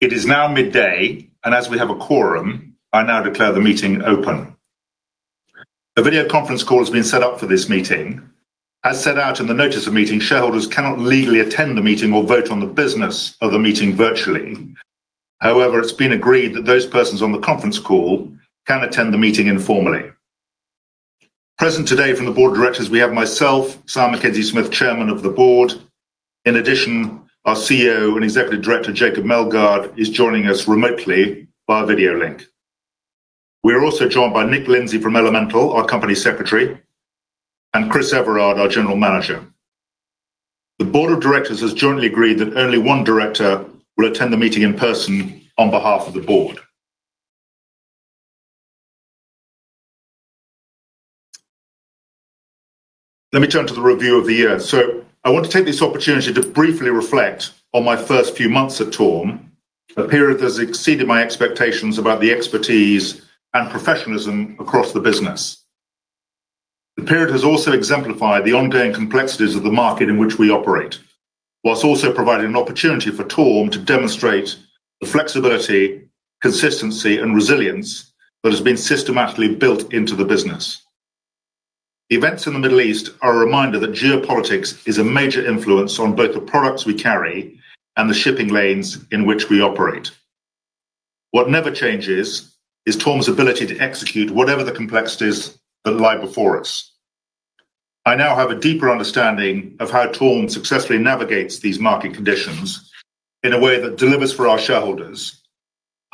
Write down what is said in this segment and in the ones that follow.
It is now midday, and as we have a quorum, I now declare the meeting open. A video conference call has been set up for this meeting. As set out in the notice of meeting, shareholders cannot legally attend the meeting or vote on the business of the meeting virtually. However, it's been agreed that those persons on the conference call can attend the meeting informally. Present today from the Board of Directors, we have myself, Simon Mackenzie Smith, Chairman of the Board. In addition, our CEO and Executive Director, Jacob Meldgaard, is joining us remotely via video link. We are also joined by Nick Lindsay from Elemental, our Company Secretary, and Christopher Everard, our General Manager. The Board of Directors has jointly agreed that only one director will attend the meeting in person on behalf of the Board. Let me turn to the review of the year. I want to take this opportunity to briefly reflect on my first few months at TORM, a period that has exceeded my expectations about the expertise and professionalism across the business. The period has also exemplified the ongoing complexities of the market in which we operate, whilst also providing an opportunity for TORM to demonstrate the flexibility, consistency and resilience that has been systematically built into the business. Events in the Middle East are a reminder that geopolitics is a major influence on both the products we carry and the shipping lanes in which we operate. What never changes is TORM's ability to execute whatever the complexities that lie before us. I now have a deeper understanding of how TORM successfully navigates these market conditions in a way that delivers for our shareholders,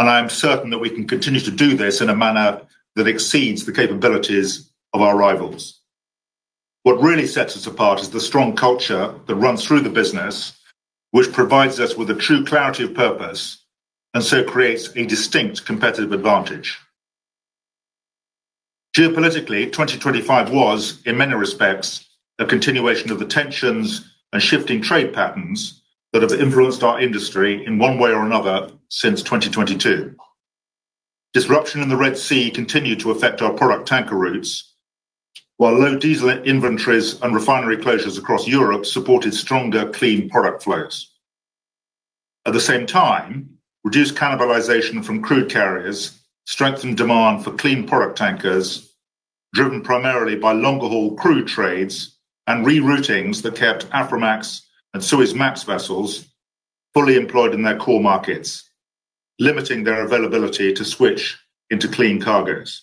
and I am certain that we can continue to do this in a manner that exceeds the capabilities of our rivals. What really sets us apart is the strong culture that runs through the business, which provides us with a true clarity of purpose, and so creates a distinct competitive advantage. Geopolitically, 2025 was, in many respects, a continuation of the tensions and shifting trade patterns that have influenced our industry in one way or another since 2022. Disruption in the Red Sea continued to affect our product tanker routes, while low diesel inventories and refinery closures across Europe supported stronger clean product flows. At the same time, reduced cannibalization from crude carriers strengthened demand for clean product tankers, driven primarily by longer haul crude trades and re-routings that kept Aframax and Suezmax vessels fully employed in their core markets, limiting their availability to switch into clean cargos.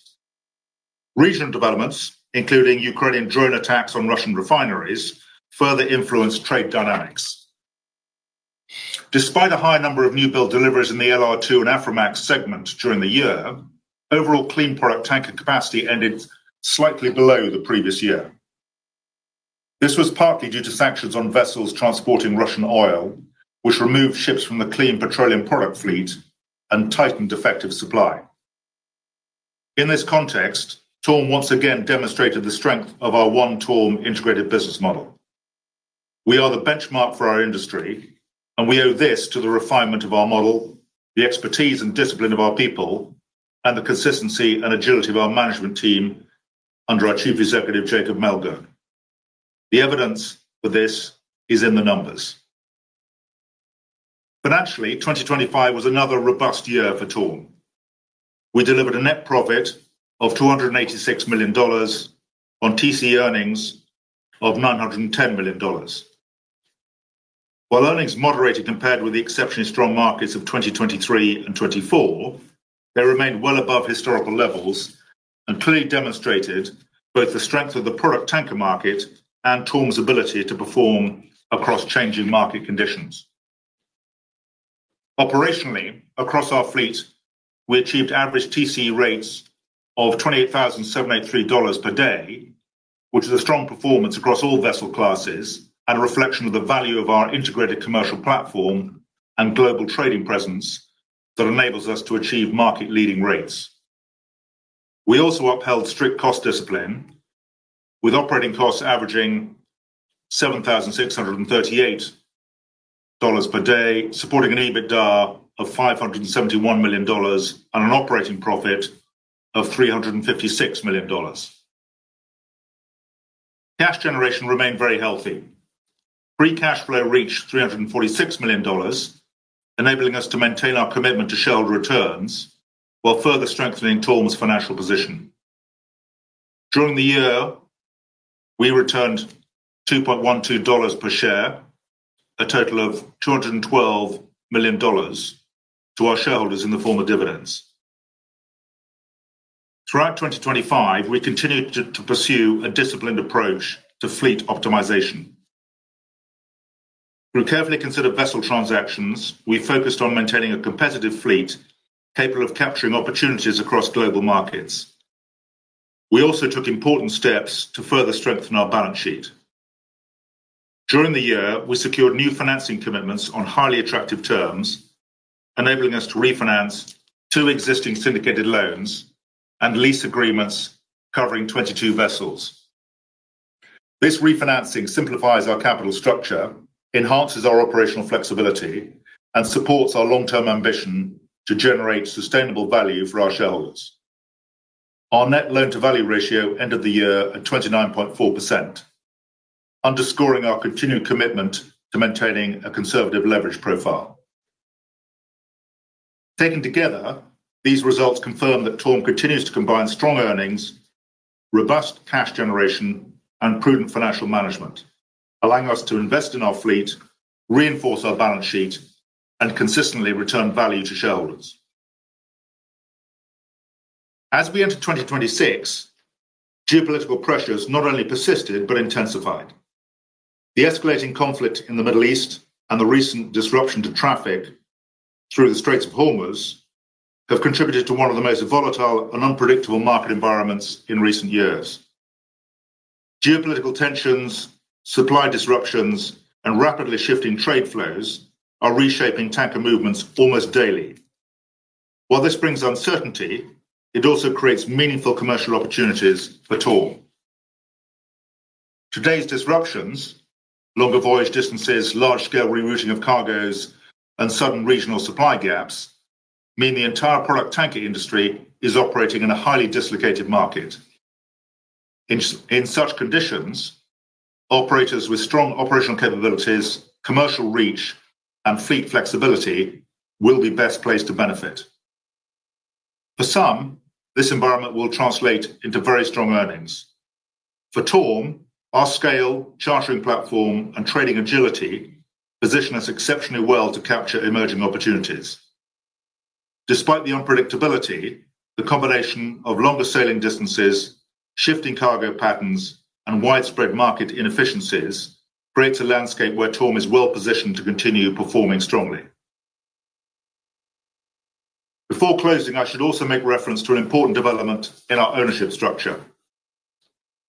Recent developments, including Ukrainian drone attacks on Russian refineries, further influenced trade dynamics. Despite a high number of new build deliveries in the LR2 and Aframax segment during the year, overall clean product tanker capacity ended slightly below the previous year. This was partly due to sanctions on vessels transporting Russian oil, which removed ships from the clean petroleum product fleet and tightened effective supply. In this context, TORM once again demonstrated the strength of our One TORM integrated business model. We are the benchmark for our industry, and we owe this to the refinement of our model, the expertise and discipline of our people, and the consistency and agility of our management team under our Chief Executive, Jacob Meldgaard. The evidence for this is in the numbers. Financially, 2025 was another robust year for TORM. We delivered a net profit of $286 million on TCE earnings of $910 million. While earnings moderated compared with the exceptionally strong markets of 2023 and 2024, they remained well above historical levels and clearly demonstrated both the strength of the product tanker market and TORM's ability to perform across changing market conditions. Operationally, across our fleet, we achieved average TC rates of $28,783 per day, which is a strong performance across all vessel classes and a reflection of the value of our integrated commercial platform and global trading presence that enables us to achieve market-leading rates. We also upheld strict cost discipline with operating costs averaging $7,638 per day, supporting an EBITDA of $571 million and an operating profit of $356 million. Cash generation remained very healthy. Free cash flow reached $346 million, enabling us to maintain our commitment to shareholder returns while further strengthening TORM's financial position. During the year, we returned $2.12 per share, a total of $212 million, to our shareholders in the form of dividends. Throughout 2025, we continued to pursue a disciplined approach to fleet optimization. Through carefully considered vessel transactions, we focused on maintaining a competitive fleet capable of capturing opportunities across global markets. We also took important steps to further strengthen our balance sheet. During the year, we secured new financing commitments on highly attractive terms, enabling us to refinance two existing syndicated loans and lease agreements covering 22 vessels. This refinancing simplifies our capital structure, enhances our operational flexibility, and supports our long-term ambition to generate sustainable value for our shareholders. Our net loan to value ratio ended the year at 29.4%, underscoring our continued commitment to maintaining a conservative leverage profile. Taken together, these results confirm that TORM continues to combine strong earnings, robust cash generation, and prudent financial management, allowing us to invest in our fleet, reinforce our balance sheet, and consistently return value to shareholders. As we enter 2026, geopolitical pressures not only persisted, but intensified. The escalating conflict in the Middle East and the recent disruption to traffic through the Strait of Hormuz have contributed to one of the most volatile and unpredictable market environments in recent years. Geopolitical tensions, supply disruptions, and rapidly shifting trade flows are reshaping tanker movements almost daily. While this brings uncertainty, it also creates meaningful commercial opportunities for TORM. Today's disruptions, longer voyage distances, large-scale rerouting of cargoes, and sudden regional supply gaps mean the entire product tanker industry is operating in a highly dislocated market. In such conditions, operators with strong operational capabilities, commercial reach, and fleet flexibility will be best placed to benefit. For some, this environment will translate into very strong earnings. For TORM, our scale, chartering platform, and trading agility position us exceptionally well to capture emerging opportunities. Despite the unpredictability, the combination of longer sailing distances, shifting cargo patterns, and widespread market inefficiencies creates a landscape where TORM is well-positioned to continue performing strongly. Before closing, I should also make reference to an important development in our ownership structure.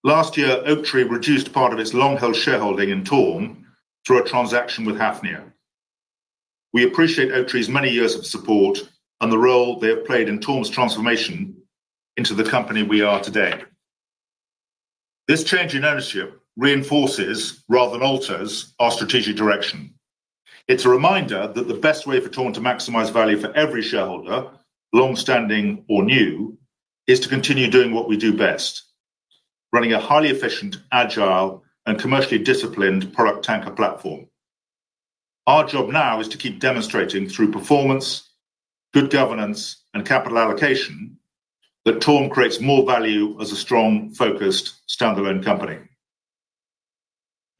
Last year, Oaktree reduced part of its long-held shareholding in TORM through a transaction with Hafnia. We appreciate Oaktree's many years of support and the role they have played in TORM's transformation into the company we are today. This change in ownership reinforces rather than alters our strategic direction. It's a reminder that the best way for TORM to maximize value for every shareholder, long-standing or new, is to continue doing what we do best, running a highly efficient, agile, and commercially disciplined product tanker platform. Our job now is to keep demonstrating through performance, good governance, and capital allocation that TORM creates more value as a strong, focused, standalone company.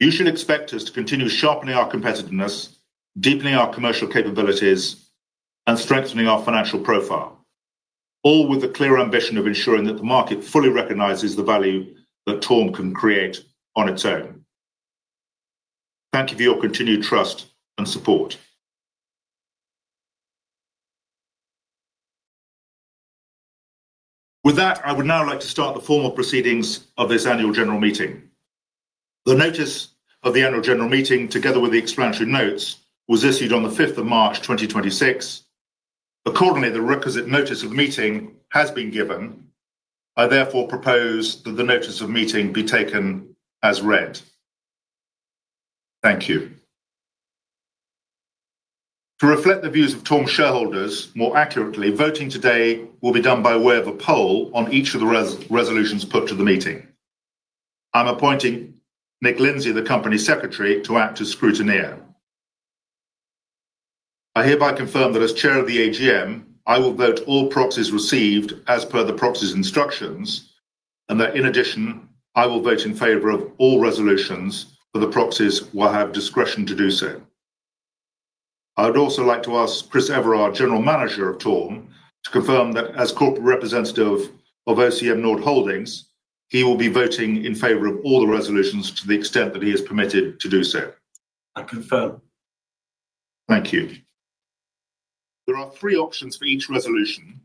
You should expect us to continue sharpening our competitiveness, deepening our commercial capabilities, and strengthening our financial profile, all with the clear ambition of ensuring that the market fully recognizes the value that TORM can create on its own. Thank you for your continued trust and support. With that, I would now like to start the formal proceedings of this Annual General Meeting. The Notice of the Annual General Meeting, together with the Explanatory Notes, was issued on the 5th of March 2026. Accordingly, the requisite notice of meeting has been given. I therefore propose that the notice of meeting be taken as read. Thank you. To reflect the views of TORM shareholders more accurately, voting today will be done by way of a poll on each of the resolutions put to the meeting. I'm appointing Nick Lindsay, the Company Secretary, to act as scrutineer. I hereby confirm that as Chair of the AGM, I will vote all proxies received as per the proxy's instructions, and that in addition, I will vote in favor of all resolutions where the proxies will have discretion to do so. I would also like to ask Chris Everard, General Manager of TORM, to confirm that as Corporate Representative of OCM Njord Holdings, he will be voting in favor of all the resolutions to the extent that he is permitted to do so. I confirm. Thank you. There are three options for each resolution.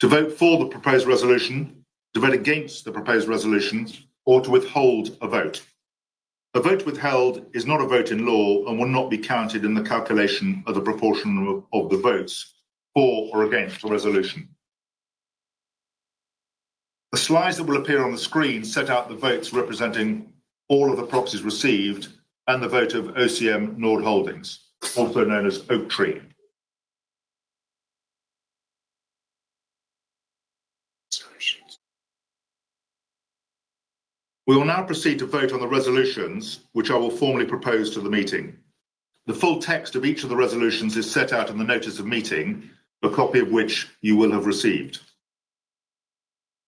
To vote for the proposed resolution, to vote against the proposed resolution, or to withhold a vote. A vote withheld is not a vote in law and will not be counted in the calculation of the proportion of the votes for or against a resolution. The slides that will appear on the screen set out the votes representing all of the proxies received and the vote of OCM Njord Holdings, also known as Oaktree. We will now proceed to vote on the resolutions which I will formally propose to the meeting. The full text of each of the resolutions is set out in the Notice of Meeting, a copy of which you will have received.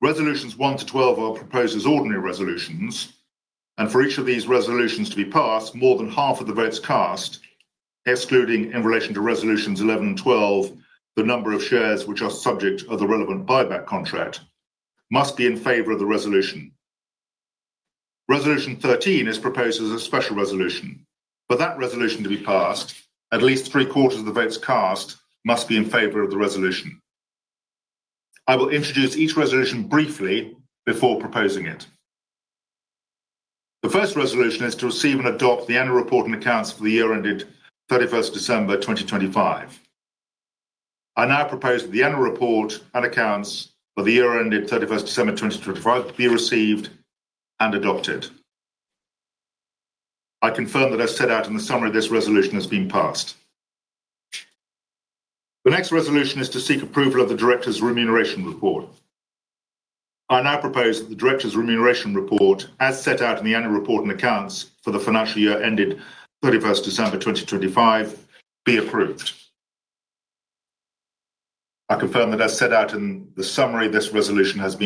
Resolutions one to 12 are proposed as Ordinary Resolutions. For each of these resolutions to be passed, more than half of the votes cast, excluding in relation to Resolutions 11 and 12, the number of shares which are subject of the relevant Buyback Contract, must be in favor of the resolution. Resolution 13 is proposed as a Special Resolution. For that resolution to be passed, at least three-quarters of the votes cast must be in favor of the resolution. I will introduce each resolution briefly before proposing it. The first resolution is to receive and adopt the Annual Report and Accounts for the year ended 31st December 2025. I now propose that the Annual Report and Accounts for the year ended 31st December 2025 be received and adopted. I confirm that as set out in the summary, this resolution has been passed. The next resolution is to seek approval of the Directors' Remuneration Report. I now propose that the Directors' Remuneration Report, as set out in the Annual Report and Accounts for the financial year ended 31st December 2025, be approved. I confirm that as set out in the Summary, this resolution has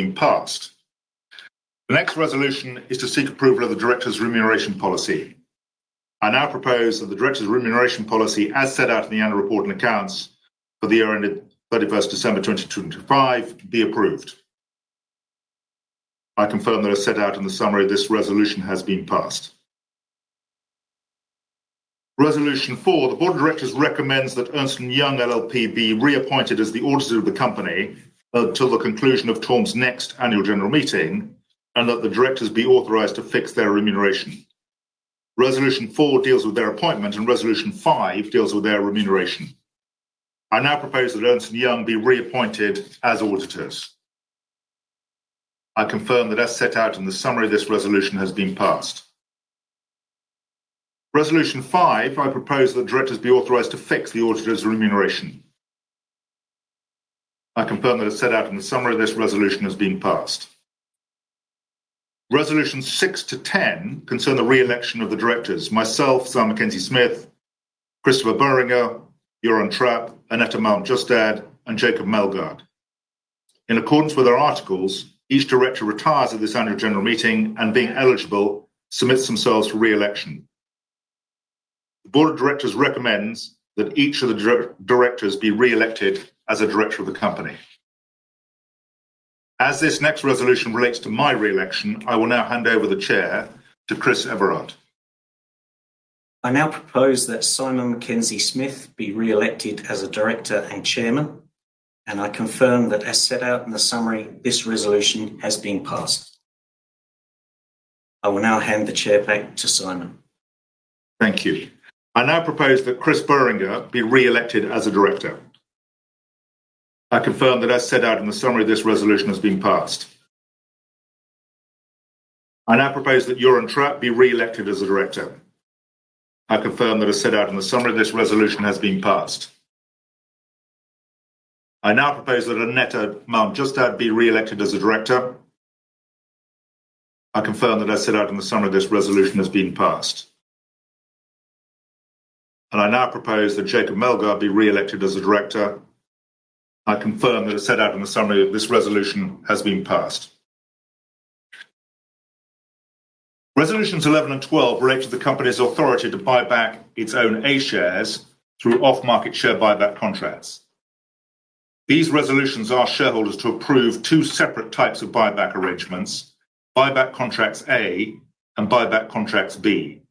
been passed. The next resolution is to seek approval of the Directors' Remuneration Policy. I now propose that the Directors' Remuneration Policy, as set out in the Annual Report and Accounts for the year ended 31st December 2025, be approved. I confirm that as set out in the Summary, this resolution has been passed. Resolution four, the Board of Directors recommends that Ernst & Young LLP be reappointed as the Auditor of the Company until the conclusion of TORM's next Annual General Meeting, and that the Directors be authorized to fix their remuneration. Resolution four deals with their appointment, and Resolution five deals with their remuneration. I now propose that Ernst & Young be reappointed as auditors. I confirm that as set out in the summary, this resolution has been passed. Resolution five, I propose that the Directors be authorized to fix the auditors' remuneration. I confirm that as set out in the summary, this resolution has been passed. Resolutions six to 10 concern the re-election of the Directors, myself, Simon Mackenzie Smith, Christopher Boehringer, Pär Göran Trapp, Annette Malm Justad, and Jacob Meldgaard. In accordance with our Articles, each Director retires at this Annual General Meeting and, being eligible, submits themselves for re-election. The Board of Directors recommends that each of the Directors be re-elected as a Director of the Company. As this next resolution relates to my re-election, I will now hand over the chair to Christopher Everard. I now propose that Simon Mackenzie Smith be re-elected as a Director and Chairman, and I confirm that as set out in the summary, this resolution has been passed. I will now hand the Chair back to Simon. Thank you. I now propose that Christopher Boehringer be re-elected as a Director. I confirm that as set out in the summary, this resolution has been passed. I now propose that Pär Göran Trapp be re-elected as a Director. I confirm that as set out in the summary, this resolution has been passed. I now propose that Annette Malm Justad be re-elected as a Director. I confirm that as set out in the summary, this resolution has been passed. I now propose that Jacob Meldgaard be re-elected as a Director. I confirm that as set out in the summary, this resolution has been passed. Resolutions 11 and 12 relate to the company's authority to buy back its own A-shares through off-market share buyback contracts. These resolutions ask shareholders to approve two separate types of buyback arrangements, Buyback Contracts A and Buyback Contracts B.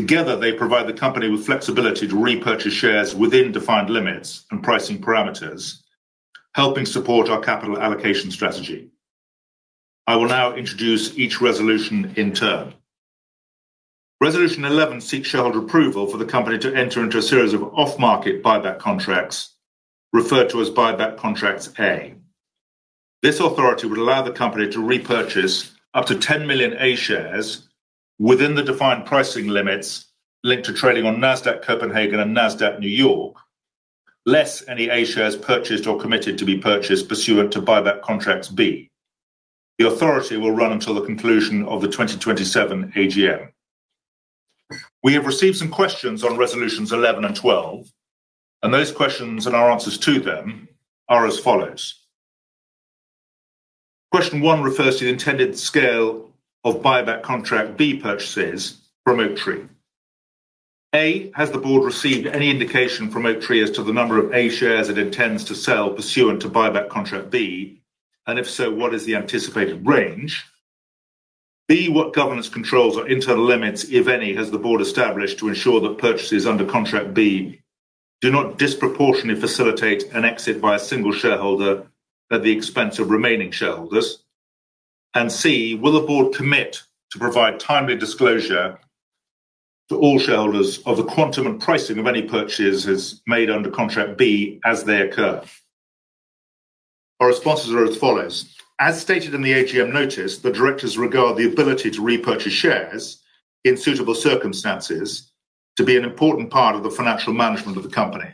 Together, they provide the company with flexibility to repurchase shares within defined limits and pricing parameters, helping support our capital allocation strategy. I will now introduce each resolution in turn. Resolution 11 seeks shareholder approval for the company to enter into a series of off-market buyback contracts, referred to as Buyback Contracts A. This authority would allow the company to repurchase up to 10 million A shares within the defined pricing limits linked to trading on Nasdaq Copenhagen and Nasdaq New York, less any A shares purchased or committed to be purchased pursuant to Buyback Contracts B. The authority will run until the conclusion of the 2027 AGM. We have received some questions on Resolutions 11 and 12, and those questions and our answers to them are as follows. Question one refers to the intended scale of Buyback Contract B purchases from Oaktree. A, has the Board received any indication from Oaktree as to the number of A-shares it intends to sell pursuant to Buyback Contract B, and if so, what is the anticipated range? B, what governance controls or internal limits, if any, has the Board established to ensure that purchases under Contract B do not disproportionately facilitate an exit by a single shareholder at the expense of remaining shareholders? C, will the Board commit to provide timely disclosure to all shareholders of the quantum and pricing of any purchases made under Contract B as they occur? Our responses are as follows. As stated in the AGM notice, the Directors regard the ability to repurchase shares in suitable circumstances to be an important part of the financial management of the company.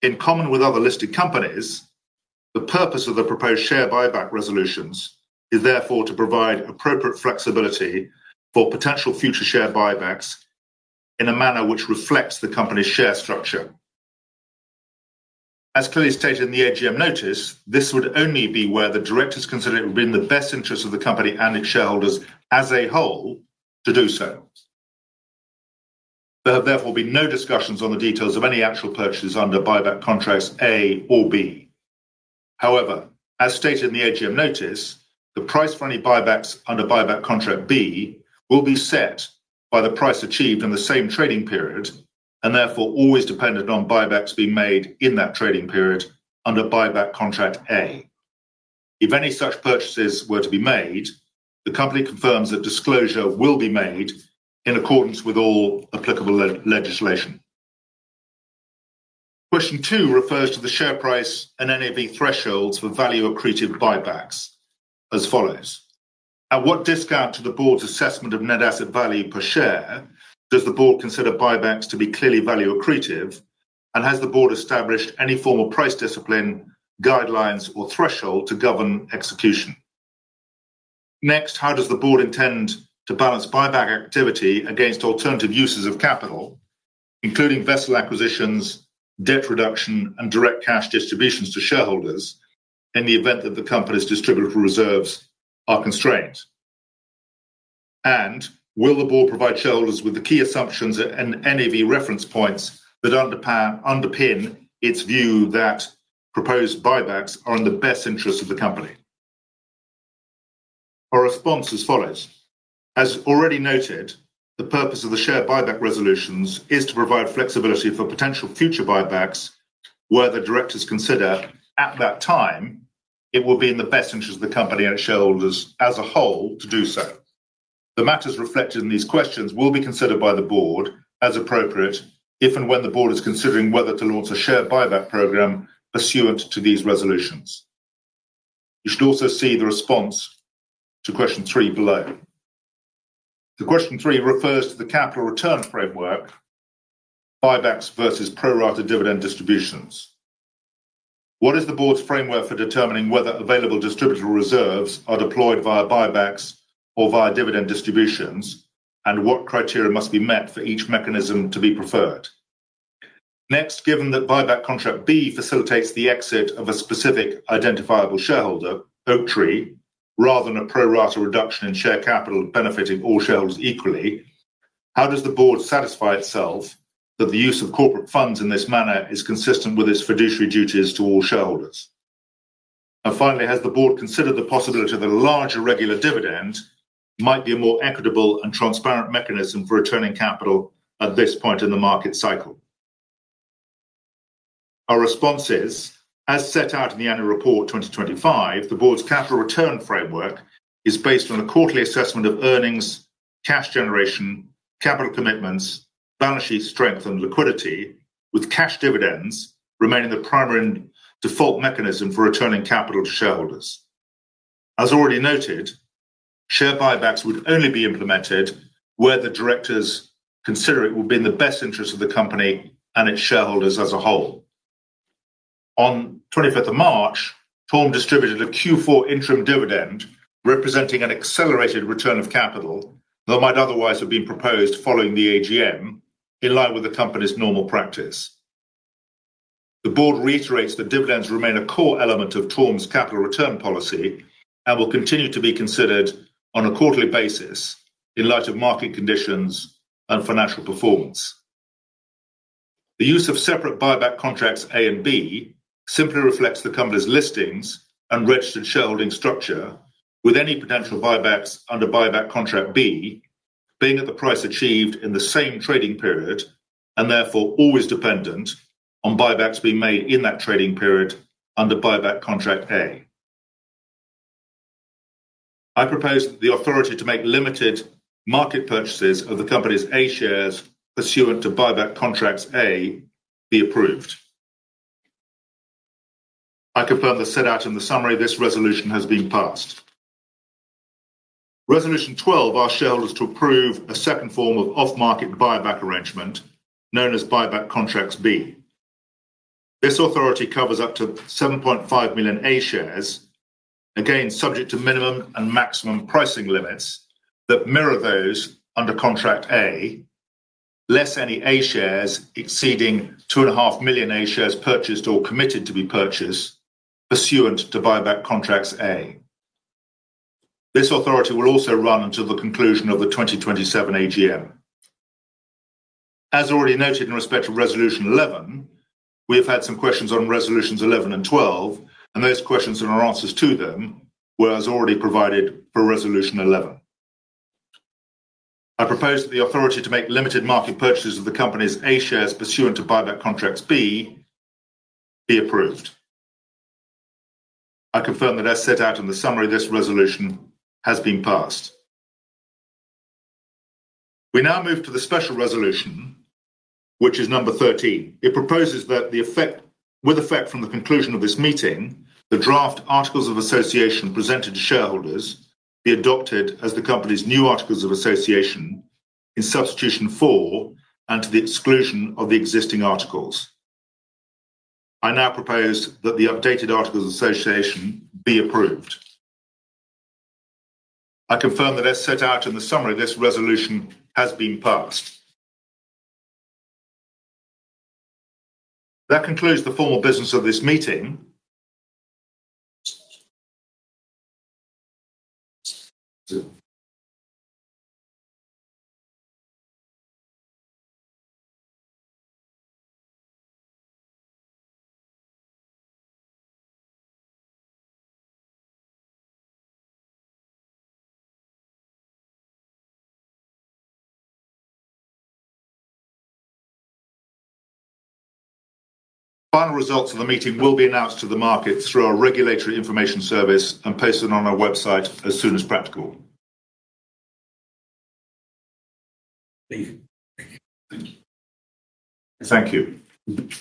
In common with other listed companies, the purpose of the proposed share buyback resolutions is therefore to provide appropriate flexibility for potential future share buybacks in a manner which reflects the company's share structure. As clearly stated in the AGM notice, this would only be where the Directors consider it would be in the best interests of the company and its shareholders as a whole to do so. There have therefore been no discussions on the details of any actual purchases under Buyback Contracts A or B. However, as stated in the AGM notice, the price for any buybacks under Buyback Contract B will be set by the price achieved in the same trading period and therefore always dependent on buybacks being made in that trading period under Buyback Contract A. If any such purchases were to be made, the Company confirms that disclosure will be made in accordance with all applicable legislation. Question two refers to the share price and NAV thresholds for value-accretive buybacks as follows. At what discount to the Board's assessment of net asset value per share does the Board consider buybacks to be clearly value-accretive? Has the Board established any formal price discipline guidelines or threshold to govern execution? Next, how does the Board intend to balance buyback activity against alternative uses of capital, including vessel acquisitions, debt reduction, and direct cash distributions to shareholders, in the event that the Company's distributable reserves are constrained? Will the Board provide shareholders with the key assumptions and NAV reference points that underpin its view that proposed buybacks are in the best interest of the Company? Our response is as follows. As already noted, the purpose of the share buyback resolutions is to provide flexibility for potential future buybacks, where the directors consider at that time it will be in the best interest of the company and its shareholders as a whole to do so. The matters reflected in these questions will be considered by the board as appropriate if and when the board is considering whether to launch a share buyback program pursuant to these resolutions. You should also see the response to question three below. The question three refers to the capital return framework, buybacks versus pro rata dividend distributions. What is the board's framework for determining whether available distributable reserves are deployed via buybacks or via dividend distributions? And what criteria must be met for each mechanism to be preferred? Next, given that Buyback Contract B facilitates the exit of a specific identifiable shareholder, Oaktree, rather than a pro-rata reduction in share capital benefiting all shareholders equally, how does the Board satisfy itself that the use of corporate funds in this manner is consistent with its fiduciary duties to all shareholders? Finally, has the Board considered the possibility that a larger regular dividend might be a more equitable and transparent mechanism for returning capital at this point in the market cycle? Our response is, as set out in the Annual Report 2025, the Board's capital return framework is based on a quarterly assessment of earnings, cash generation, capital commitments, balance sheet strength, and liquidity, with cash dividends remaining the primary and default mechanism for returning capital to shareholders. As already noted, share buybacks would only be implemented where the Directors consider it would be in the best interest of the company and its shareholders as a whole. On 25th of March, TORM distributed a Q4 interim dividend, representing an accelerated return of capital that might otherwise have been proposed following the AGM in line with the company's normal practice. The Board reiterates that dividends remain a core element of TORM's capital return policy and will continue to be considered on a quarterly basis in light of market conditions and financial performance. The use of separate Buyback Contracts A and B simply reflects the company's listings and registered shareholding structure with any potential buybacks under Buyback Contract B being at the price achieved in the same trading period, and therefore always dependent on buybacks being made in that trading period under Buyback Contract A. I propose the authority to make limited market purchases of the company's A shares pursuant to Buyback Contracts A be approved. I confirm that, set out in the summary, this resolution has been passed. Resolution 12 asks shareholders to approve a second form of off-market buyback arrangement, known as Buyback Contracts B. This authority covers up to $7.5 million A shares, again, subject to minimum and maximum pricing limits that mirror those under Contract A, less any A shares exceeding $2.5 million A shares purchased or committed to be purchased pursuant to Buyback Contracts A. This authority will also run until the conclusion of the 2027 AGM. As already noted in respect of Resolution 11, we have had some questions on Resolutions 11 and 12, and those questions and our answers to them was already provided for Resolution 11. I propose that the authority to make limited market purchases of the company's A-shares pursuant to Buyback Contracts B be approved. I confirm that as set out in the summary, this resolution has been passed. We now move to the special resolution, which is number 13. It proposes that with effect from the conclusion of this meeting, the draft Articles of Association presented to shareholders be adopted as the company's new Articles of Association in substitution for and to the exclusion of the existing Articles. I now propose that the updated Articles of Association be approved. I confirm that as set out in the summary, this resolution has been passed. That concludes the formal business of this meeting. Final results of the meeting will be announced to the market through our regulatory information service and posted on our website as soon as practical. Thank you. Thank you.